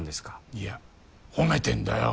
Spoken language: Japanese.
いや褒めてんだよ